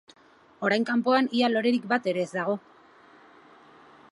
Orain kanpoan ia lorerik batere ez dago...